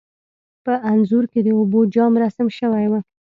په انځور کې د اوبو جام رسم شوی و.